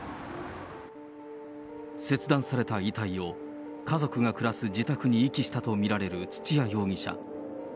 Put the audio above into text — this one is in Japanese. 切断された遺体を、家族が暮らす自宅に遺棄したと見られる土屋容疑者。